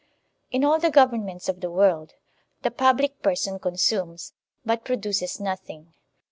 In all the governments of the world, the public person constmies, but produces nothing.